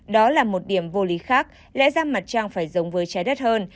đó là một điểm vô lý khác lẽ ra mặt trăng phải giống với trái đất hơn